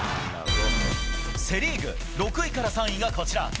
セ・リーグ、６位から３位がこちら。